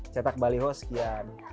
cetak baliho sekian